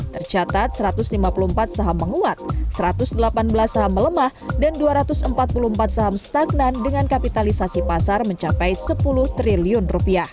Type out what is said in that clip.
tercatat satu ratus lima puluh empat saham menguat satu ratus delapan belas saham melemah dan dua ratus empat puluh empat saham stagnan dengan kapitalisasi pasar mencapai rp sepuluh triliun